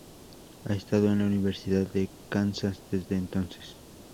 Ha estado en la Universidad de Kansas desde entonces.